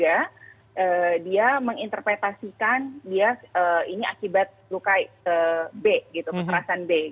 ilmuannya juga dia menginterpretasikan ini akibat luka b keterasan b